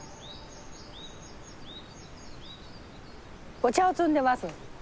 お茶を摘んでます。